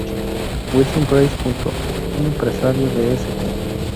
Wilson Price Hunt, un empresario de St.